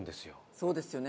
そうですよね。